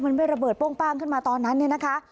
มันไม่ระเบิดโป้งป้างขึ้นมาตอนนั้นเนี่ยนะคะ